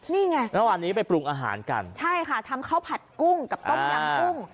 นี่ไงเมื่อวานนี้ไปปรุงอาหารกันใช่ค่ะทำข้าวผัดกุ้งกับต้มยำกุ้ง